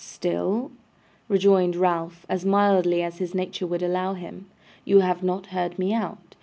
'Still,' rejoined Ralph, as mildly as his nature would allow him, 'you have not heard me out.